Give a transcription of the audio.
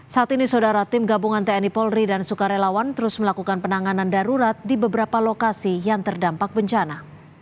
saat ini saudara tim gabungan tni polri dan sukarelawan terus melakukan penanganan darurat di beberapa lokasi yang terdampak bencana